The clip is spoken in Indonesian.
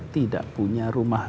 tidak punya rumah